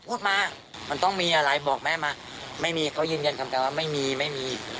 พูดมามันต้องมีอะไรบอกแม่มาไม่มีเขายืนยันคำแต่ว่าไม่มีไม่มี